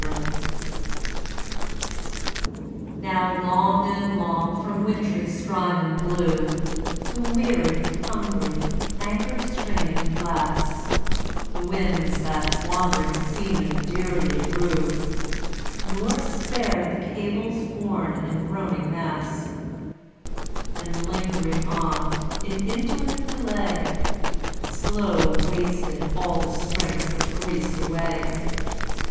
9 Autoplay Now long and long from wintry Strymon blew The weary, hungry, anchor straining blasts, The winds that wandering seamen dearly rue, Nor spared the cables worn and groaning masts; And, lingering on, in indolent delay, Slow wasted all the strength of Greece away.